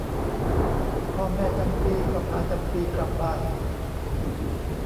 พ่อแม่จำปีก็พาจำปีกลับบ้าน